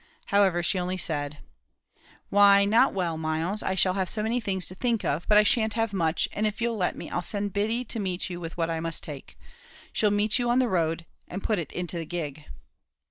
However, she only said, "Why, not well, Myles; I shall have so many things to think of; but I shan't have much, and if you'll let me, I'll send Biddy to meet you with what I must take. She'll meet you on the road, and put it into the gig."